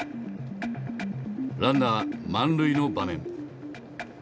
ランナー満塁の場面。